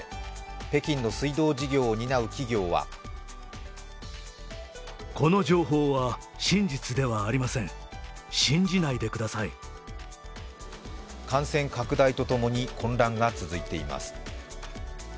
北京の水道事業を担う企業は感染拡大とともに混乱が続いています。